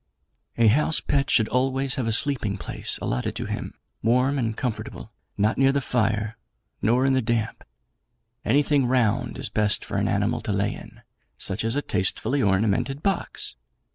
"A house pet should always have a sleeping place allotted to him, warm and comfortable, not near the fire, nor in the damp. Anything round is best for an animal to lay in; such as a tastefully ornamented box.